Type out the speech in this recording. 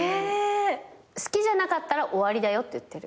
好きじゃなかったら終わりだよって言ってる。